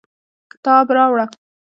کتاب راوړه